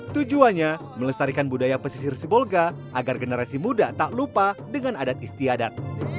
tujuannya melestarikan budaya pesisir sibolga agar generasi muda tak lupa dengan adat istiadat